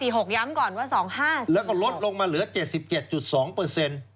ย้ำก่อนว่า๒๕๔แล้วก็ลดลงมาเหลือ๗๗๒เปอร์เซ็นต์